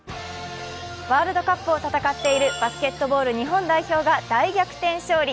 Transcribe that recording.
ワールドカップを戦っているバスケットボール日本代表が大逆転勝利。